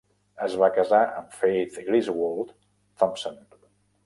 Es va casar amb Faith Griswold Thompson.